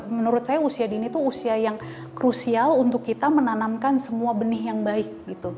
menurut saya usia dini itu usia yang krusial untuk kita menanamkan semua benih yang baik